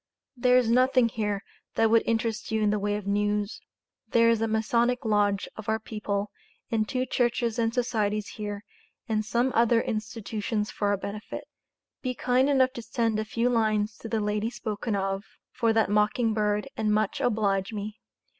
There is nothing here that would interest you in the way of news. There is a Masonic Lodge of our people and two churches and societys here and some other institutions for our benefit. Be kind enough to send a few lines to the Lady spoken of for that mocking bird and much oblige me.